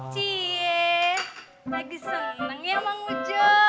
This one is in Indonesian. ciee lagi seneng ya sama ujo